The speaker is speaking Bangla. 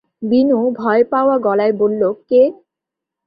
বিনু ভয় পাওয়া গলায় বলল, কে?